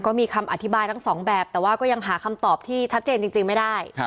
ก็มีคำอธิบายทั้งสองแบบแต่ว่าก็ยังหาคำตอบที่ชัดเจนจริงไม่ได้